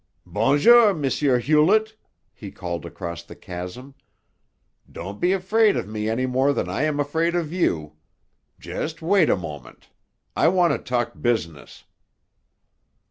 "Bonjour, M. Hewlett," he called across the chasm. "Don't be afraid of me any more than I am afraid of you. Just wait a moment. I want to talk business."